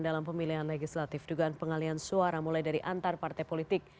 dalam pemilihan legislatif dugaan pengalian suara mulai dari antar partai politik